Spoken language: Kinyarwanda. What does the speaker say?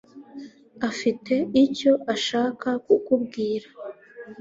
afite icyo ashaka kukubwira.